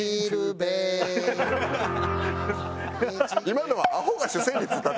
今のは。